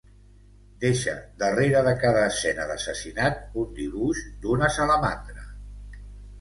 Deixa darrere de cada escena d'assassinat un dibuix d'una salamandra.